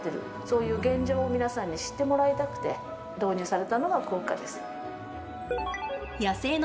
そういう現状を皆さんに知ってもらいたくて導入されたのがクオッカです。